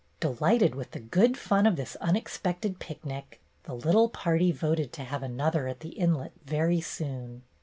Delighted with the good fun of this unex pected picnic, the little party voted to have another at the inlet very soon.